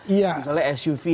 iya misalnya suv yang berharga iya